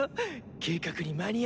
計画に間に合った。